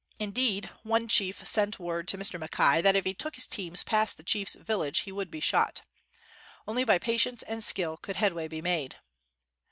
Indeed, one chief sent word to Mr. Mackay that if he took his teams past the chief's village he would be shot. Only by patience and skill could head way be made.